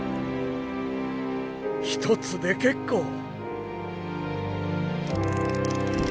１つで結構。